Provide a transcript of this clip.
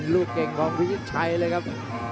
ลูกเก่งของพิชิตชัยเลยครับ